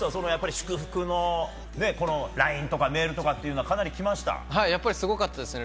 祝福のＬＩＮＥとかメールはやっぱりすごかったですね。